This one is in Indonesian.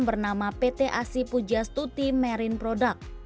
bernama pt asi pujastuti marine product